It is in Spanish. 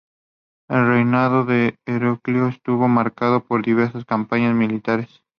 El reinado de Heraclio estuvo marcado por diversas campañas militares.